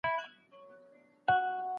په ښار کي باید د بې ځایه غږونو مخه ونیول سي.